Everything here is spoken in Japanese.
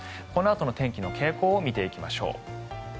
このあとの天気の傾向を見ていきましょう。